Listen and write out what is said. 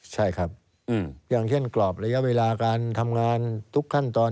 ใช่ครับอย่างเช่นกรอบระยะเวลาการทำงานทุกขั้นตอน